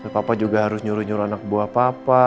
papa juga harus nyuruh nyuruh anak buah papa